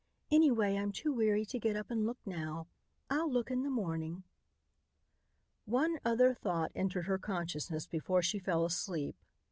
"Anyway, I'm too weary to get up and look now. I'll look in the morning." One other thought entered her consciousness before she fell asleep.